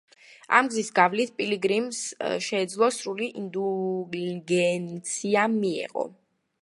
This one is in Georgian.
ამ გზის გავლით, პილიგრიმს შეეძლო სრული ინდულგენცია მიეღო.